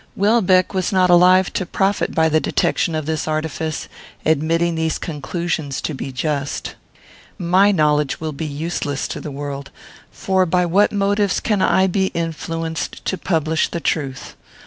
Welbeck was not alive to profit by the detection of this artifice, admitting these conclusions to be just. My knowledge will be useless to the world; for by what motives can I be influenced to publish the truth?